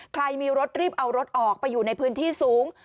ใครมีรถรีบเอารถออกไปอยู่ในพื้นที่สูง